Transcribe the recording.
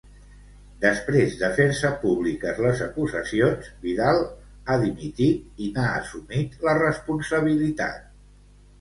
Després de fer-se públiques les acusacions, Vidal ha dimitit i n'ha assumit la responsabilitat.